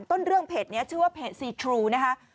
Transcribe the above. ต้นเรื่องเพจนี้ชื่อว่าเพจซีทรูนะคะ